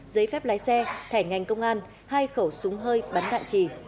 giấy phép lái xe thẻ ngành công an hai khẩu súng hơi bắn đạn trì